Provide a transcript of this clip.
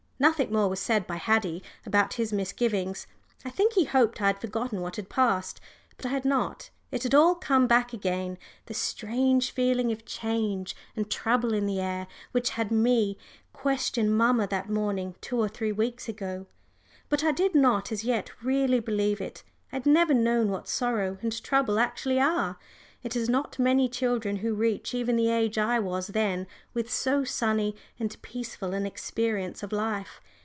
Nothing more was said by Haddie about his misgivings. I think he hoped I had forgotten what had passed, but I had not. It had all come back again, the strange feeling of change and trouble in the air which had made me question mamma that morning two or three weeks ago. But I did not as yet really believe it. I had never known what sorrow and trouble actually are. It is not many children who reach even the age I was then with so sunny and peaceful an experience of life.